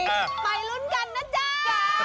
ไปรุ้นกันนะจ้า